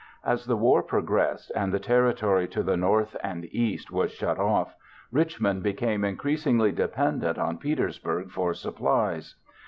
As the war progressed and the territory to the north and east was shut off, Richmond became increasingly dependent on Petersburg for supplies.